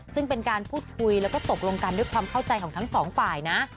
ซึ่งเป็นการพูดคุยแล้วก็ตกลงกันด้วยความเข้าใจของทั้งสองฝ่ายนะ